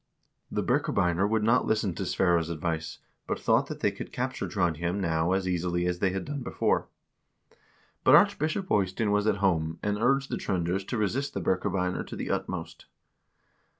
'" l The Birkebeiner would not listen to Sverre's advice, but thought that they could capture Trond hjem now as easily as they had done before. But Archbishop Eystein was at home, and urged the Tr0nders to resist the Birkebeiner to the utmost.